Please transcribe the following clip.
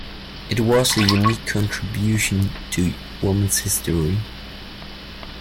It was a unique contribution to women's history.